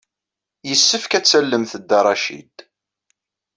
Yessefk ad tallemt Dda Racid.